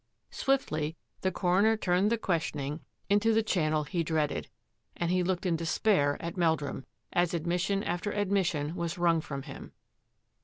Swiftly the coroner turned the questioning into 183 184 THAT AFFAIR AT THE MANOR the channel he dreaded, and he looked In despair at Meldrum, as admission after admission was wrung from him.